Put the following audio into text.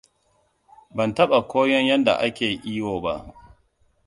Ban taɓa koyon yadda ake iyo ba.